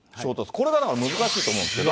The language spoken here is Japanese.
これだから、難しいと思うんですけど。